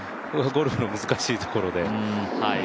ゴルフの難しいところで。